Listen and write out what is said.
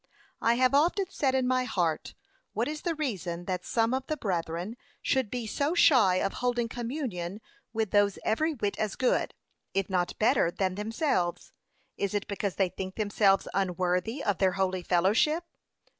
I have often said in my heart, what is the reason that some of the brethren should be so shy of holding communion with those, every whit as good, if not better than themselves? Is it because they think themselves unworthy of their holy fellowship?